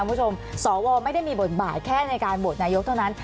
คุณผู้ชมสวไม่ได้มีบทบาทแค่ในการโหวตนายกเท่านั้น